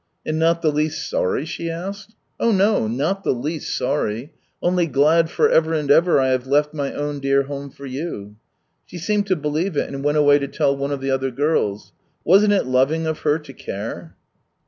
" And not the least sorry ?" she asked. " Oh, no, not the least sorry I Only glad for ever and ever I have left my own dear home for you 1 " She seemed to believe it, and went away to tell one of the other girls. Wasn't it loving of her to care